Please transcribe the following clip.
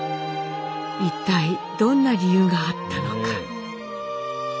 一体どんな理由があったのか？